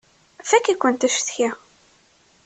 Fakk-ikent acetki!